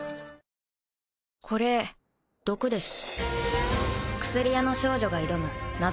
これ毒です。